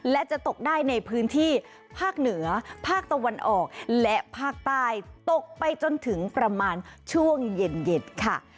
และจะตกได้ในพื้นที่ภาคเหนือภาคตะวันออกและภาคใต้ตกไปจนถึงประมาณช่วงเย็นค่ะ